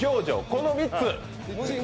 この３つ。